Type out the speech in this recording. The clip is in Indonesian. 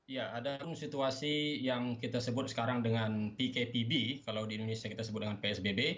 ya ada situasi yang kita sebut sekarang dengan pkpb kalau di indonesia kita sebut dengan psbb